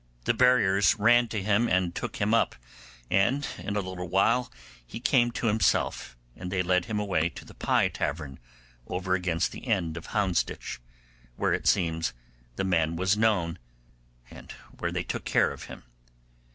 The buriers ran to him and took him up, and in a little while he came to himself, and they led him away to the Pie Tavern over against the end of Houndsditch, where, it seems, the man was known, and where they took care of him.